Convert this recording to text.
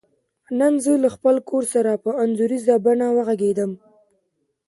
نن زه له خپل کور سره په انځوریزه بڼه وغږیدم.